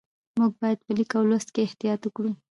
موږ باید په لیک او لوست کې احتیاط وکړو